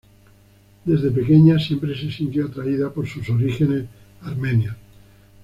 Desde pequeña, siempre se sintió atraída por sus orígenes armenios.